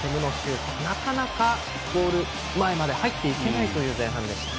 なかなか、ゴール前まで入っていけない前半でした。